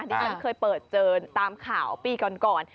ที่ฉันเคยเปิดเจอตามข่าวปีก่อน